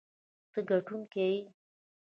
ته ګټونکی یې.